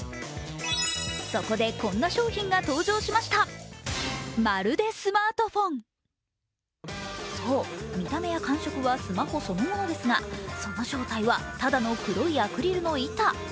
そこで、こんな商品が登場しましたそう、見た目や感触はスマホそのものですがその正体はただの黒いアクリルの板。